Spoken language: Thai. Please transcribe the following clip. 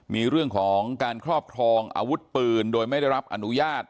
มีเรื่องของการครอบครองอาวุธปืนโดยไม่ได้รับอนุญาต